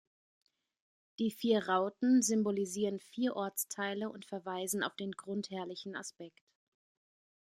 Die vier Rauten symbolisieren die vier Ortsteile und verweisen auf den grundherrlichen Aspekt.